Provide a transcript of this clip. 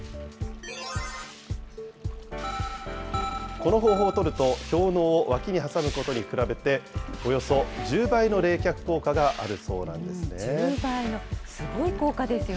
この方法を取ると、氷のうを脇に挟むことに比べて、およそ１０倍の冷却効果があるそ１０倍の、すごい効果ですよ